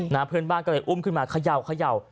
นางเพื่อนบ้านก็เลยอุ้มขึ้นมาเขย่า